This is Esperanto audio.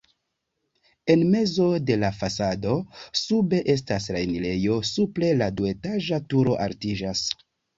En mezo de la fasado sube estas la enirejo, supre la duetaĝa turo altiĝas.